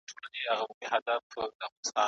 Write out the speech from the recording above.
له نااهلو کسانو سره بايد مشورې ونه سي.